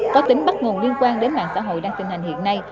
có tính bắt nguồn liên quan đến mạng xã hội đang tình hình hiện nay